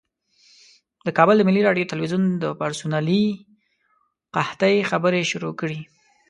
د کابل د ملي راډیو تلویزیون د پرسونلي قحطۍ خبرې شروع کړې.